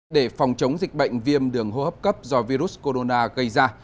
để phòng chống dịch bệnh viêm đường hô hấp cấp do virus corona gây ra